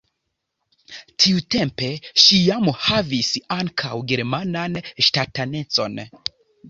Tiutempe ŝi jam havis ankaŭ germanan ŝtatanecon.